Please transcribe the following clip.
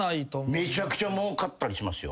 めちゃくちゃもうかったりしますよ。